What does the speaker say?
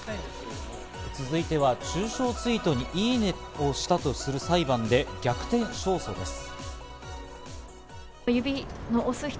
続いては中傷ツイートに「いいね」をしたとする裁判で逆転勝訴です。